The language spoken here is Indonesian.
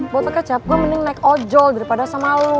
foto kecap gue mending naik ojol daripada sama lo